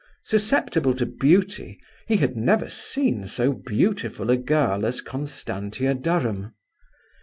Susceptible to beauty, he had never seen so beautiful a girl as Constantia Durham.